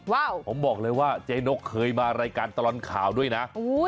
ผมบอกเลยว่าเจ๊นกเคยมารายการตลอดข่าวด้วยนะ